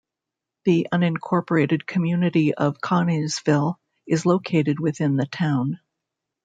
The unincorporated community of Connorsville is located within the town.